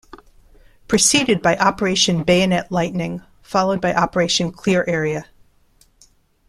Preceded by Operation Bayonet Lightning, followed by Operation Clear Area.